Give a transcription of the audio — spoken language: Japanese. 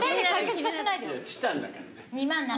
チタンだからね。